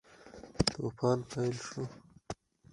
توپان پیل شو.